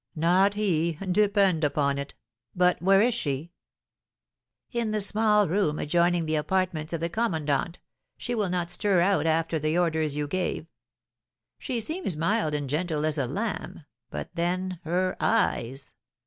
"Not he, depend upon it! But where is she?" "In the small room adjoining the apartments of the commandant; she will not stir out after the orders you gave. She seems mild and gentle as a lamb; but then, her eyes!